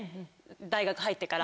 大学入ってから。